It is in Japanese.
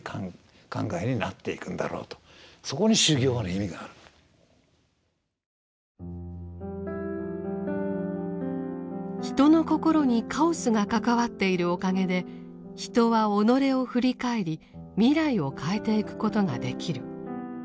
それがどんどんどんどん人の心にカオスが関わっているおかげで人は己を振り返り未来を変えていくことができる。